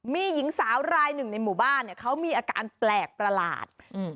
มีหญิงสาวรายหนึ่งในหมู่บ้านเนี่ยเขามีอาการแปลกประหลาด